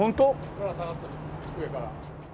ぶら下がってます上から。